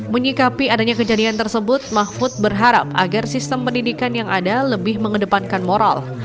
menyikapi adanya kejadian tersebut mahfud berharap agar sistem pendidikan yang ada lebih mengedepankan moral